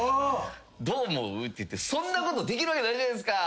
どう思う？」って言ってそんなことできるわけないじゃないですか！